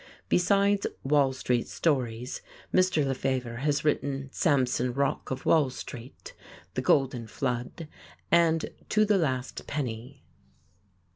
Besides "Wall Street Stories," Mr. Lefevre has written "Samson Rock of Wall Street," "The Golden Flood," and "To the Last Penny."